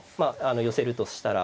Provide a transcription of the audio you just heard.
寄せるとしたら。